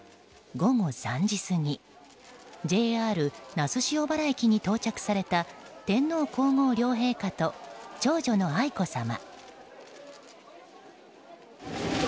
午後３時過ぎＪＲ那須塩原駅に到着された天皇・皇后両陛下と長女の愛子さま。